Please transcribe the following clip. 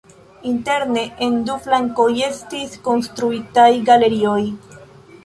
Interne en du flankoj estis konstruitaj galerioj.